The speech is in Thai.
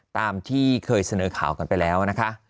ตามที่เคยเสนอข่าวกันไปแล้วนะคะ